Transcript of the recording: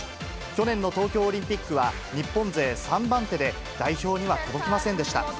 去年の東京オリンピックは、日本勢３番手で、代表には届きませんでした。